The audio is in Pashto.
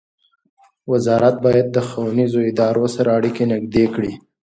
وزارت باید د ښوونیزو ادارو سره اړیکې نږدې کړي.